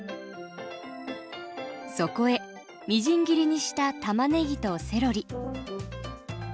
そこへみじん切りにしたたまねぎとセロリ。